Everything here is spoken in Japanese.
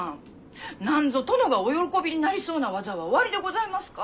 何ぞ殿がお喜びになりそうな技はおありでございますか？